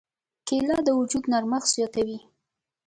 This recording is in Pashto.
کېله د وجود نرمښت زیاتوي.